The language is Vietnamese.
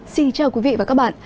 xin chào quý vị và các bạn